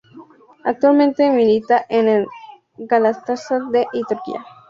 Actualmente milita en el Galatasaray de Turquía.